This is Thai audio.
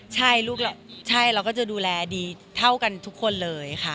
ใช่ลูกใช่เราก็จะดูแลดีเท่ากันทุกคนเลยค่ะ